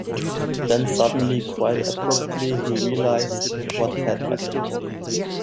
Then suddenly, quite abruptly, he realised what had happened.